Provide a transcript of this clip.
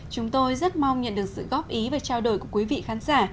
chúng tôi rất mong nhận được sự góp ý và trao đổi của quý vị khán giả